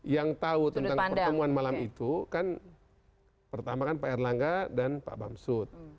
yang tahu tentang pertemuan malam itu kan pertama kan pak erlangga dan pak bamsud